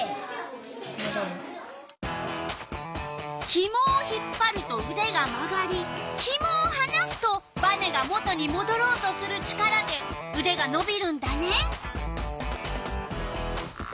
ひもを引っぱるとうでが曲がりひもをはなすとバネが元にもどろうとする力でうでがのびるんだね。